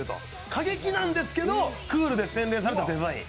過激なんですけど、クールな洗練されたデザイン。